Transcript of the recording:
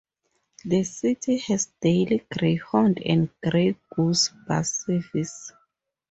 The city has daily Greyhound and Grey Goose bus service.